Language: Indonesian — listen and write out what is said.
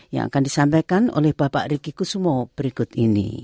yang akan disampaikan oleh bapak ricky kusumo berikut ini